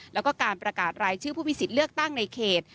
แล้วก็การประกาศรายชื่อผู้มีสิทธิ์เลือกตั้งในเขต